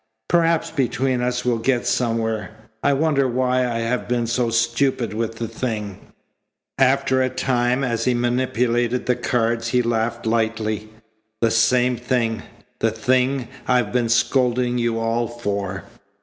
Perhaps between us we'll get somewhere. I wonder why I have been so stupid with the thing." After a time, as he manipulated the cards, he laughed lightly. "The same thing the thing I've been scolding you all for.